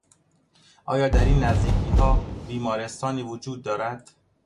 آیا در این نزدیکیها بیمارستانی وجود دارد؟